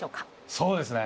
そうですね。